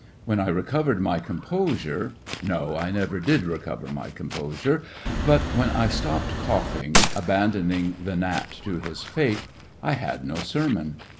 When I recovered my composure— no, I never did recover my com posure, but when I stopped coughing, aban doning the gnat to his fate, I had no sermon.